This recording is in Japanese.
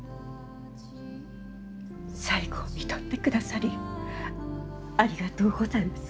最期をみとってくださりありがとうございます。